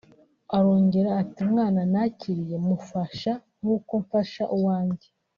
Arongera ati” Umwana nakiriye mufasha nk’uko mfasha uwanjye